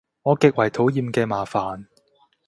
我極為討厭嘅麻煩